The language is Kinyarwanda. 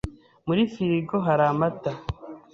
Muri firigo hari amata.